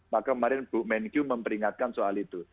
maka kemarin bu menkyu memperingatkan soal itu